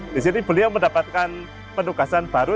di sini beliau mendapatkan penugasan baru